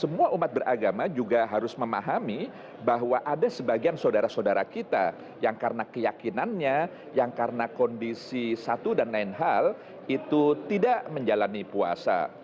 semua umat beragama juga harus memahami bahwa ada sebagian saudara saudara kita yang karena keyakinannya yang karena kondisi satu dan lain hal itu tidak menjalani puasa